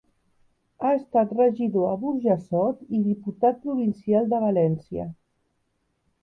Ha estat regidor a Burjassot i diputat provincial de València.